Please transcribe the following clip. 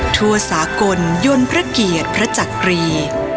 ทั่วสากลยนต์พระเกียรติพระจักรี